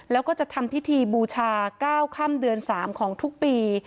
แล้วก็จะทำพิธีบูชา๙ค่ำเดือน๓ของทุกปี